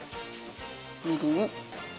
みりん。